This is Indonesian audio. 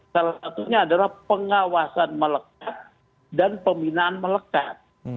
salah satunya adalah pengawasan melekat dan pembinaan melekat